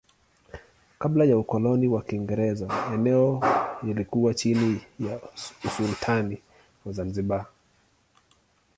Kabla ya ukoloni wa Kiingereza eneo lilikuwa chini ya usultani wa Zanzibar.